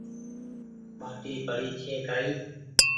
ٻآٽي پڙي ڇي ڪآئي